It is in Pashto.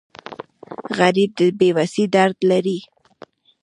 غریب د بې وسۍ درد لري